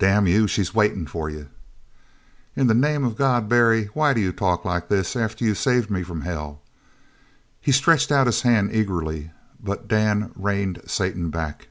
"Damn you, she's waitin' for you." "In the name of God, Barry, why do you talk like this after you've saved me from hell?" He stretched out his hand eagerly, but Dan reined Satan back.